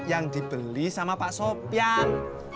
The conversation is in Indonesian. yang dibeli sama pak sopian